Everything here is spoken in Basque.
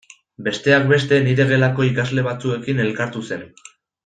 Besteak beste nire gelako ikasle batzuekin elkartu zen.